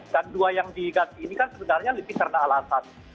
dan dua yang diganti ini kan sebenarnya lebih karena alasan